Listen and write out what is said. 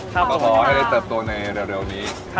ขอขอให้เติบตัวในเร็วนี้